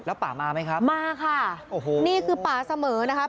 แล้วป่ามาไหมครับมาค่ะโอ้โหนี่คือป่าเสมอนะครับ